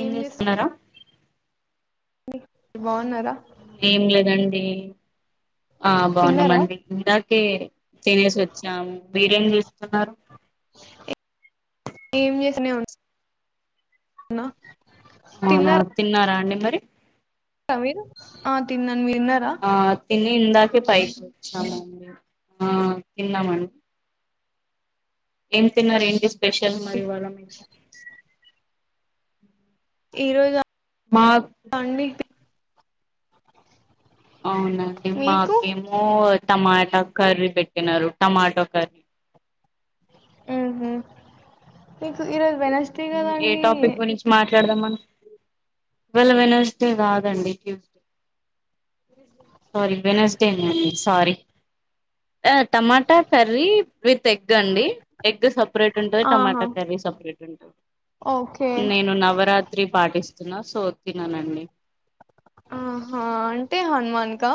ఏం చేస్తున్నారా మ్ బావున్నారా ఏం లేదండి అ తిన్నారా బావున్నామండి ఇందాకే తినేసి వచ్చాము మీరేం చేస్తున్నారు తిన వున్ న్న అవునా తిన్నారా అండి మరి క మీరు ఆహ్ తిన్న అన్ తిన్నారా ఆ తిని ఇందాకే పైకి వచ్చామండి ఆ తిన్నామండి ఏం తిన్న రెంటి స్పెషల్ మరి వరమెమో ఈ రోజు మాకు అండి అవునండి మీకు మాకేమో టమాటా కర్రీ పెట్టినారు టమాటో కర్రీ ఉంహు మీకు ఈ రోజ్ ఏ టాపిక్ గురించి మాట్ డదా వెళ్ళ వెనస్డే కాదండి ట్యూస్డే సారీ వెనస్డే అండి సారీ ఆ టమాటా కర్రీ విత్ ఎగ్ అండి ఎగ్ సపరేట్ ఉంటది టమాట ఆహా కర్రీ సపరేట్ ఉంటది ఓకే నేను నవరాత్రి పాఠ పాటిస్తున్నా సో తిననండి ఆహా అంటే హన్ మాన్ కా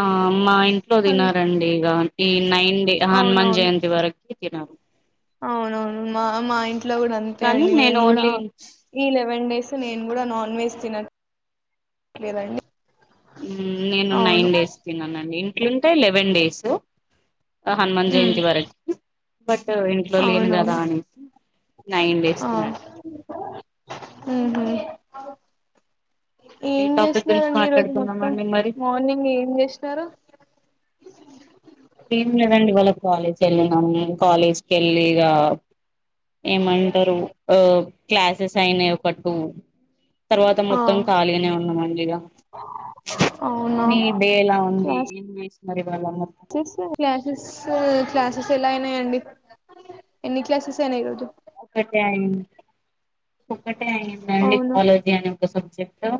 ఆ మా ఇంట్లో హన్ తినారండి ఇక ఈ నైన్ డే హనుమాన్ అవునవును జయంతి వారకి ఎల్ నవూ అవునవును మా మా ఇ లో కూడా అంతే కానీ అండి నే నేను కూడా ఓన్లీ ఈ లెవెన్ డేస్ నే కూడా నాన్ వెజ్ తిన లేదండి నేను నైన్ డేస్ తినండి తింటే లెవెన్ డేసు హనుమన్ ఉమ్ జయంతి వారకి బట్ ఇంట్లో లేను కదా అవునవును అనేసి నైన్ డేస్ ఆ తినను ఆ ఏం టాపిక్ గురించి చేస్తున్నారండి ఈరోజు మొత్తం మాట్లాడుకుందామండి మరి మార్నింగ్ ఏం చేస్తున్నారు ఎంలేదండి ఇవల వాళ్ళ కాలేజ్ వెళ్ళినాము కాలేజ్ కి వెళి ఇగా ఏమంటారు ఆ క్లాస్ సెస్ అయినాయి ఒకటు తర్వాత ఆ మొత్తం ఖళీగానే ఉన్నా మంళగా అవునా మీ డే ఎలా ఉంది క్లాసెస్ ఎన్ని వ మరి వాళ మొత్తం. క్లాసెస్ క్లాసెస్ ఎలా అయినాయండి ఎన్ని క్లాసెస్ అయినాయిఇ రోజు ఒకటే అయింది ఒకటే అయిందండి అవును జలోజి అని ఒక సబ్జెక్ చెప్తాం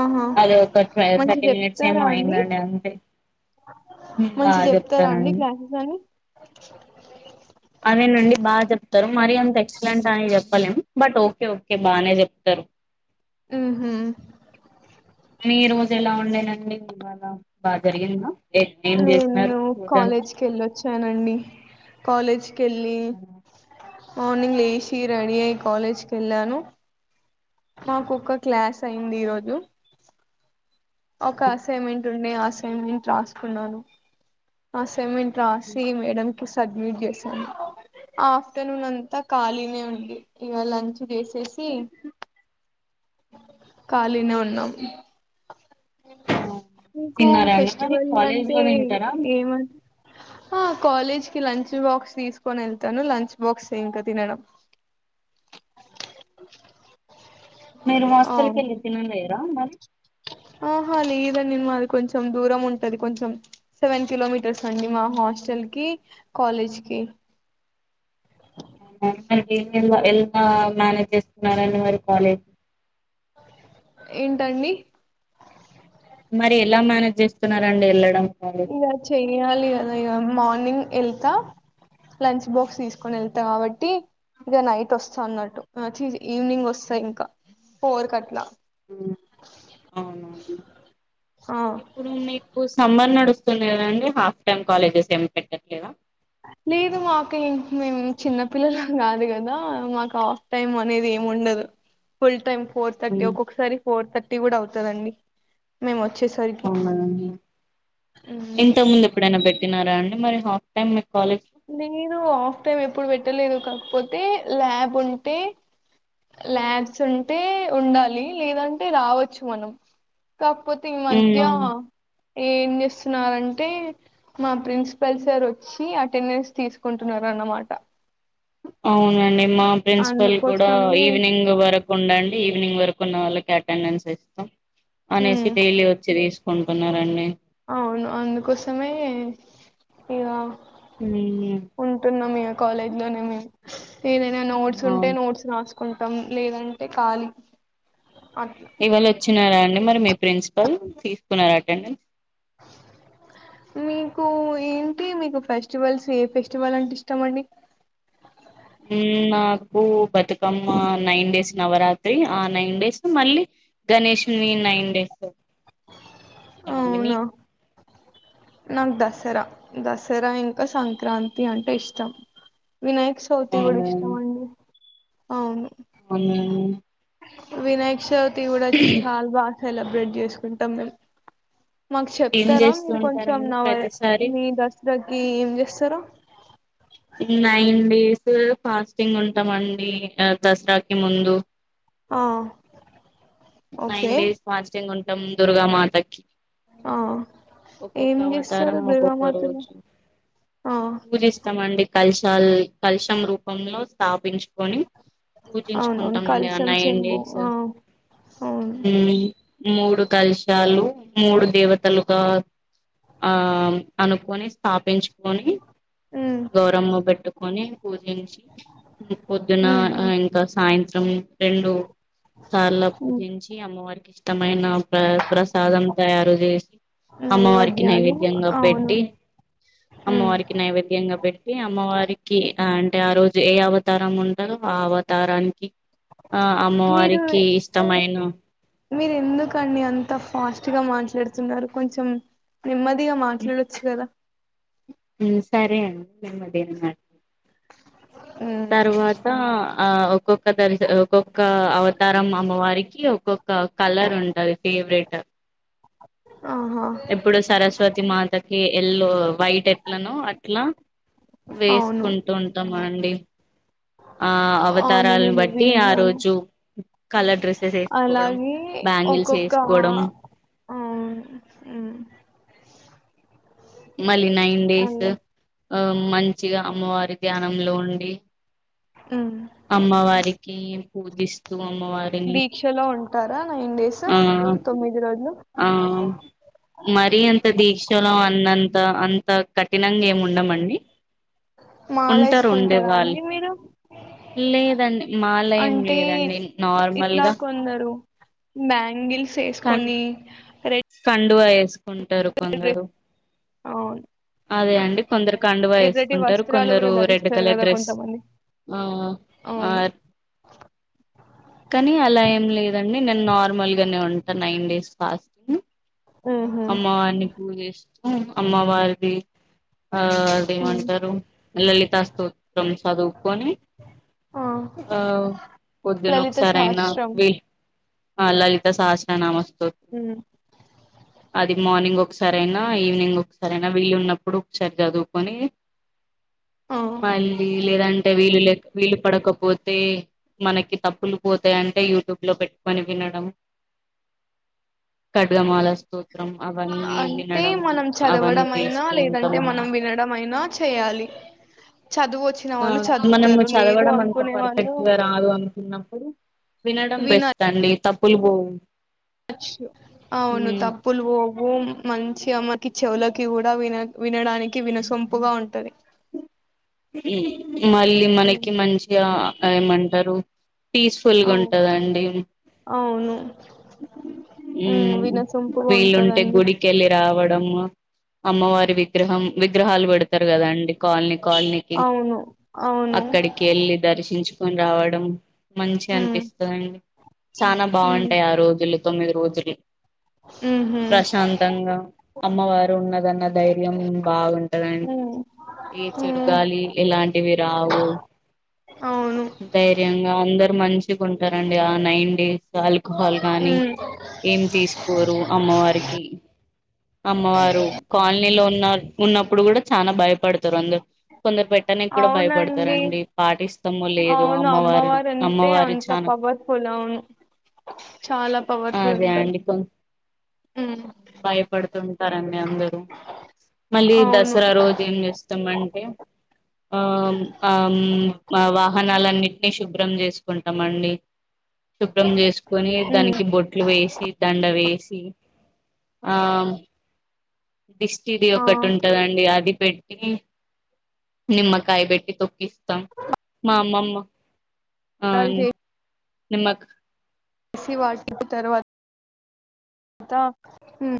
ఆహా మంచి మినిట్స్ చెప్తారా ఏమో అండి అయిందండి అంతే మంచి బాగా చెప్తారా అండి చెప్తారండి క్లాసెస్ అని [inaudible] అదేనండి బాగా చెప్తారు మరి అంత ఎక్సలెంట్ అని చెప్పలేము బట్ ఓకే ఓకే బాగానే చెప్తారు ఉహు మీ రోజు ఎలా ఉండేనండి బళ బాగా జరిగింద నేను కాలేజ్ కి వెళ్ళిచ్చానండి కాలేజ్ కెలి మార్నింగ్ లేసి రెడీ అయి కాలేజ్ కి వెళ్ళాను మాకొక్క క్లాస్ అయింది ఈరోజు ఒక అసైన్మెంట్ ఉండే అస అసైమెంట్ రాసుకున్నాను అసైమెంట్ రాసి మేడం సడ్మిట్ చేసాను ఆఫ్టర్నూన్ అంతా ఖాళీనే ఉంది ఇక లంచ్ చేసేసి అ ఖాళీనే ఉన్నాం మీకు తిన్నారా అండి మరి ఫెస్టివల్ కాలేజ్ అంటే లో తింటారా ఏమ ఆ కాలేజ్ కి లంచ్ బాక్స్ తీసుకొని వెళ్తాను లంచ్ బాక్స్ ఇంకా తినడం మీరు ఆ హాస్టల్ క వెళ్ళి తిన లేరా మరి ఆహా లేదం మాది కొంచెం దూరం ఉంటది కొంచెం సెవెన్ కిలోమీటర్స్ అండి మా హాస్టల్ కి కాలేజ్ కి మనకి ఎలా మేనేజ్ చేస్తున్నడి మరి కాలేజీ ఏంటండి మరి ఎలా మేనేజ్ చేస్తున్నారండి వెళ్ళడం కాలేజ్ మరి చేయాలి కదా మార్నింగ్ వెళ్తా లంచ్ బాక్స్ తీసుకొని వెళ్తాం కాబట్టి ఇక నైట్ వస్తా అన్నట్టు ఈవినింగ్ వస్తా ఇంకా ఫోర్ క అట్లా ఆ మీకు సమ్మర్ నడుస్తు దండి హాఫ్ టైమ్ కాలేజెస్ ఏమి పెట్టట్లేదా లేదు మాకు మేము చిన్న పిల్లలకు కాదు కదా మాకు హాఫ్ టైమ్ అనేది ఏమి ఉండదు ఫుల్ టైం ఫోర్ థర్టీ ఉమ్, ఒక్కొక్కసారి ఫోర్థర్టీ కూడా అవుతందిండి మేము వచ్చేసరికి అవునా ఇంత ముందు ఎప్పుడైనా పెట్టిన అండి మరి హాస్ టైమ్ కాలేజ్ లేదు ఆఫ్ టైమ్ ఎప్పుడు పెట్టలేదు కా కాకపోతే ల్యాబ్ ఉంటే ల్యాబ్స్ ఉంటే ఉండాలి లేదంటే రావచ్చు మనం కాకపోతింగ్ మధ్య లో ఏం చేస్తున్నారురంటే మా ప్రిన్సిపల్ సార్ వచ్చి టెన్నిస్ తీసుకుంటున్నారుర అన్నమాట అవునండి మా ప్రిన్సిపల్ కూడా అందుకోసమే ఈవినింగ్ వరకు ఉండండి ఈవినింగ్ వరకు ఉన్న వాళ్ళకి అటెండెన్స్ ఇస్తాం ఉమ్ అనేసి డలీ వచ్చ ర కొంటున్నారండి అవును అందుకోసమే ఇక మ్ ఉంటున్నాం ఇక కాలేజ్ లోనే మేము ఏదైనా నోట్స్ ఉంటే అవును నోట్స్ రాస్త కుంటాం లేదంటే ఖళీ ఇవాళ వచ్చినారా అండి మరి మ ప్రిన్సిపల్ తీసుకున్నారు అటెండెన్స్ మీకు ఏంటి మీకు ఫెస్టివల్స్ ఏ ఫెస్టివల్ అంటే ఇష్టమ అండి నాకు బతుకమ్మ నైన్ డేస్ నవరాత్రి ఆ నైన్ డేస్ మళ్ళీ గణేశని నైన్ డేస్ ఇష్టడి మీకు నాక్ దసరా. దసరా ఇంకా సంక్రాంతి అంటే ఇష్టం. వినాయక చవితి కూడ అవునా ఇష్టం అండి. అవును. అమ్మ్ వినాయక చవ్త్ తి కుడా, ఛాల బా సెలబ్రేట్ చేసుకుంటాం మేమ్. మాకు ఏం చెప్తారా చేస్తూ మీరు కొంచెం! ఉంటారండి నావ ప్రతిసారి మీ దసరాకి ఏం చేస్తరో! నైన్ డేసు ఫాస్టింగ్ ఉంటామండి దసరాకి ముందు. ఆ ఓకే నైన్ డేస్ ఫాస్టింగ్ ఉన్ నమ్ దుర్గా మాతకి. ఆ ఒక్కొక్క ఏం చేస్తారు అవతారం ఒక్కొక్క దుర్గామాతలో రోజు, ఆ పూజిస్తమండి. కలశాల్, కలశం రూపంలో స్థాపించుకొని, అవునవును పూజించుకుంటామండి ఆ కలసం నైన్ చెంబు డేసు. ఆ అవును మ్ మూడు కలిశాలు మూడు దేవతలుగా ఆ అనుకొని స్థాపించుకొని, ఉమ్ గౌరమ్మ పెట్టుకొని పూజించి, హు పొద్దున ఉహు అ ఇంకా సాయన్ గం రెండు సార్ల ఉమ్ ఉమ్, పూజించి, అమ్మవారికి ఇష్టమైన ప్ర ప్రస్ సాధం తయారు చేసి, అమ్మవారికి నైవేద్యాలు నైవేద్యంగా అవును పెట్టి, ఉమ్ అమ్మవారికి నైవేద్యంగా పెట్టి, అమ్మవారికి అ అన్ అంటే, ఆ రోజు ఏ అవతారం ఉంటదొ, ఆ అవతారానికి కి ఆ అమ్మవారికి ఇష్టమైన, మీరెందుకండి అంత ఫాస్ట్ గా మాట్లాడుతున్నారు? కొంచెం నెమ్మది మ్ సరె అన్ నెమ్మదిగా మాట్లాతా. తరువాత ఆ ఒక్కొక్క దర్శ ఒక్కొక్క అవతారం అమ్మవారికి ఒక్కొక్క కలర్ ఉంటది ఫేవరెట్. ఆహా ఎప్పుడు సరస్వతి మాతక్ కి ఎల్లో వైట్ ఎట్లనో అట్ల అవును వేసుకుంటూ ఉంటామండి. ఆ అవును అవతారాలను నేను బట్టి ఆ విన్నాను రోజు కలర్ డ్రెస్సెస్ ఏసుకోవడం. అలాగే బ్యాంగిల్స్ ఒక్కొక్క ఏసుకోవడం. అవును ఊ మళ్ళీ నైన్ డేస్ ఆ మంచిగా అమ్మవారు ధ్యానంలో ఉండి అమ్మవారికి [unintelligible] అమ్మవారిని దీక్షలో ఉంటారా నైన్ డేస్ ఆ తొమ్మిది రోజులు ఆ మరిీ అంత దీక్షలో అన్నంత అ అంత కఠినంగా ఏమి ఉండమండి మాల ఉంటారు వేసుకుంటారా ఉండేవాళ్ళు అండి మీరు లేదండి మాల ఏం అంటే లేదండి ఇట్లా నార్మల్గా కొందరు బ్యాంగిల్స్ కం వేసుకొని రె కండువా వేసుకుం కొందరు అవును అదే అవును అండి కొందరు కండువా ఎర్రటి వేసుకుంటారు వస్త్రాలు కొందరు కూడా రెడ్ ధరిస్తారు కలర్ కదా డ్రెస్ కొంతమంది అవును కానీ అలా ఏం లేదు అ నేను నార్మల్ గానే ఉంటా నైన్ డేస్ ఫాస్టింగ్ ఉహు అమ్మవారిని పూజిస్త అమ్మవారిది ఆ ఉమ్ అదేమంటారు లలిత స్తోత్రం చదువుకొని ఆ పొద్దున లలిత ఒకసారి అయినా సహస్రం వీ ఆ లలిత సహస్రనామ స్తోత్రం హు అది మార్నింగ్ ఒకసార అయినా ఈవినింగ్ ఒకసారి అయినా వీళ్ళు ఉన్నప్పుడు ఒకసారి చదువుకొని ఆ మళ్ళీ లేదంటే వీలు లే వీలు పడకపోతే మనకి తప్పులు పోతాయంటే యూట్యూబ్ లో పెట్టుకని వినడం కట్గా మాలస్త అంటే మనం అవన్నీ చదవడం అయినా చేస్తూ లేదంటే మనం ఉంటామండి వినడం అయినా చేయాలి చదువు వచ్చిన ఆ వాళ్ళు మనము చదువుతారు లేదు చదవడం అంత అనుకునే వాళ్ళు పర్ఫెక్ట్ గా రాదు అనుకున్నప్పుడు వినడం బెస్ట్ వినచ్చు అండి తప్పు కుల్బో అవును తప్పులుపోవు మంచిగా మాకీ చెవులకి కూడా విన వినడానికి వినసొంపుగా ఉంటది [inaudible] మళ్ళీ హ్మ్. మనకి మంచిగా అది ఏమంటారు పీస్ఫుల్గా అవు ఉంటందండి అవును ఉమ్ వినసొంపుగా వీళుంటే ఉంటదండి గుడికి వెళ్ళి రావడం అమ్మవారి విగ్రహం విగ్రహాలు పెడతారు కదాండి కాలనీ కా అవును అవును అక్కడికి ఎల్లి దర్శించుకొని కొని రావడం మంచిగా ఉమ్, అనిపిస్తాదండి చానా ఉమ్, బాగుంటాయి ఆ రోజులు తొమ్మిది రోజులు ఉమ్హు, ప్రశాంతంగా అమ్మ వారు ఉన్న దన్నా ధైర్యం బాగుంటదండి ఉమ్, ఏ చెడు ఉమ్, గాలి ఇలాంటివి రావు అవును ధైర్యంగా అందరు మంచి కుంటారండి ఆ నైన్ డేస్ ఆల్కహాల్ గానీ ఉమ్, ఏం తీసుకోరు అమ్మవారికి అమ్మవారు కాలనీలో ఉన్న ఉన్నప్పుడు కూడా చాలా భయపడతారు అందురు కొందరు పెట్టనికి కూడా అవునండి భయపడతారండి పాటిస్తామో లేదు అవును అమ్మవారు అంటే అమ్మవారు అంత చానా పవర్ఫుల్ అవును చాలా పవర్ఫుల్ అదే ఉంటారు అండి కొ ఉమ్, భయపడుతుంటారండి అందరూ మళ్ళీ అవును దసరా రోజు ఏం చేస్తామం ఎమ్ ఆ ఆ వాహనాలన్నింటినీ శుభ్రం చేసుకుంటాం మండి శుభ్రం చేసుకొని ఉమ్, దానికి బొట్లు వేసి దండ వేసి ఆ డిస్టిరి ఆ ఒకటి ఉంటదండి అది పెట్టి నిమ్మకాయ బేట్టి తొక్కి ఇస్తాం మా అమ్మమ్మ కాల్ చెయ్ నిమకు [unintelligible] తర్వాత అదా ఉ